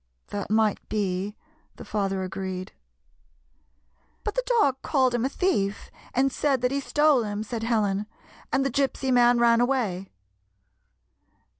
" That might be," the father agreed. " But the dog called him a thief, and said that he stole him," said Helen, " and the Gypsy man ran away."